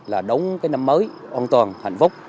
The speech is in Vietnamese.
là đóng cái năm mới an toàn hạnh phúc